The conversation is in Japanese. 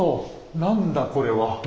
何だこれは。